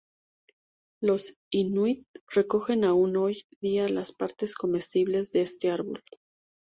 Los inuit recogen aún hoy en día las partes comestibles de este árbol.